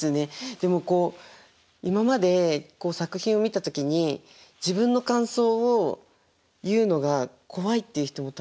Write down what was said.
でもこう今まで作品を見た時に自分の感想を言うのが怖いっていう人も多分いると思うんです。